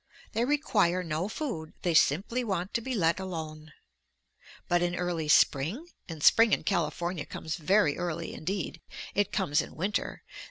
They require no food; they simply want to be let alone. But in early spring and spring in California comes very early; indeed, it comes in winter!